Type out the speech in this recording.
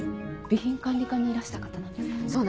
備品管理課にいらした方なんですか？